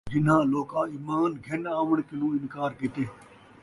جِنہاں لوکاں ایمان گِھن آوݨ کنُوں انکار کِیتے،